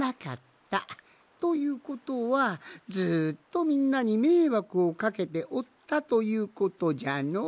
ということはずっとみんなにめいわくをかけておったということじゃの。